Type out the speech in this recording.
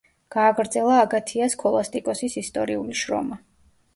გააგრძელა აგათია სქოლასტიკოსის ისტორიული შრომა.